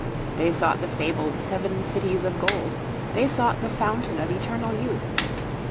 They sought the fabled seven cities of gold, they sought the fountain of eternal youth.